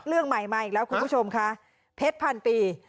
เรื่องใหม่มาอีกแล้วคุณผู้ชมค่ะเพชรพันปี